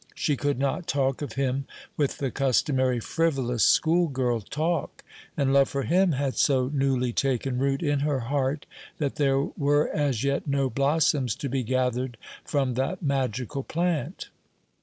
She could not talk of him with the customary frivolous school girl talk; and love for him had so newly taken root in her heart that there were as yet no blossoms to be gathered from that magical plant.